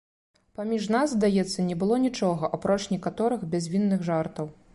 Паміж нас, здаецца, не было нічога, апроч некаторых бязвінных жартаў.